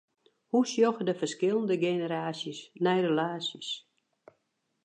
Hoe sjogge de ferskillende generaasjes nei relaasjes?